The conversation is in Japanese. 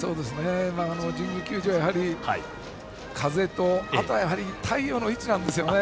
神宮球場は風とあとはやはり太陽の位置ですね。